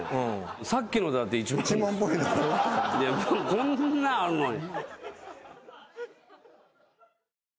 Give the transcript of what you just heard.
こんなあるのに。